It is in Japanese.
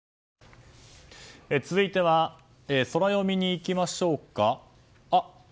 続いてはソラよみにいきましょうか。